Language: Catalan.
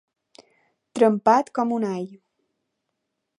Trempat com un all.